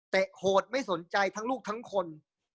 โหดไม่สนใจทั้งลูกทั้งคน